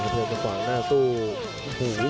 ฝั่งหน้าสู้